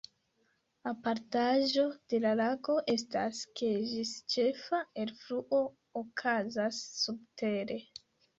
Apartaĵo de la lago estas, ke ĝis ĉefa elfluo okazas subtere.